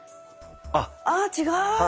あああ違う！